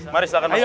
mari silahkan masuk